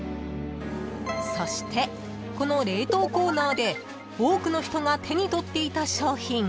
［そしてこの冷凍コーナーで多くの人が手に取っていた商品］